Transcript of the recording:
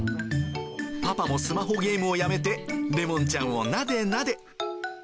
パパもスマホゲームをやめて、レモンちゃんをなでなで。